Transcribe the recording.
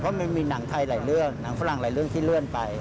เพราะมันมีหนังไทยหลายเรื่องหนังฝรั่งหลายเรื่องที่เลื่อนไป